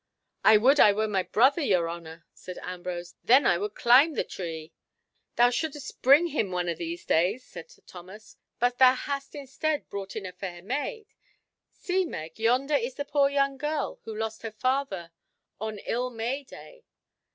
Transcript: "I would I were my brother, your honour," said Ambrose, "then would I climb the thee." "Thou shouldst bring him one of these days," said Sir Thomas. "But thou hast instead brought in a fair maid. See, Meg, yonder is the poor young girl who lost her father on Ill May day.